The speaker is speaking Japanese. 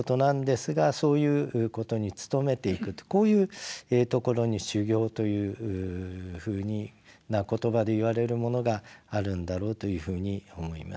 これはとてもこういうところに「修行」というふうな言葉で言われるものがあるんだろうというふうに思います。